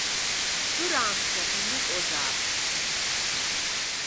Кыр аамҭа иныҟәозаап.